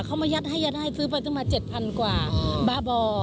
เขามายัดให้ซื้อมาตั้งแต่๗๐๐๐บาทกว่าบ้าบอ